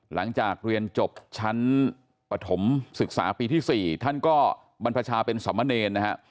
หลังจากเรียนจบชั้นปฐมศึกษาปีที่๔ท่านก็บรรพชาเป็นสมเนรนะฮะ